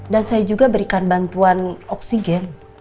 dan saya juga berikan bantuan oksigen